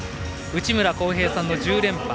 内村航平さんの１０連覇。